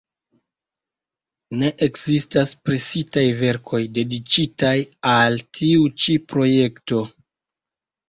Ne ekzistas presitaj verkoj, dediĉitaj al tiu ĉi projekto".